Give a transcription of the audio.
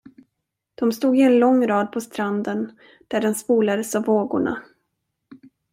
De stod i en lång rad på stranden, där den spolades av vågorna.